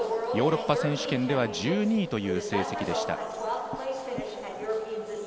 ヨーロッパ選手権では１２位という成績でした。